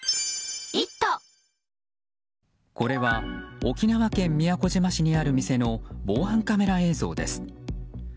これは沖縄県宮古島市にある店の防犯カメラ映像です。